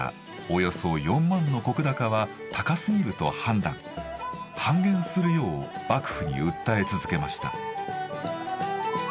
およそ４万の石高は高すぎると判断半減するよう幕府に訴え続けました。